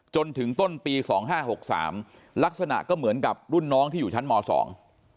จนถึงต้นปีสองห้าหกสามลักษณะก็เหมือนกับรุ่นน้องที่อยู่ชั้นมสอง